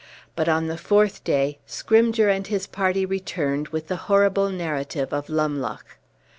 But on the fourth day, Scrymgeour and his party returned with the horrible narrative of Lumloch.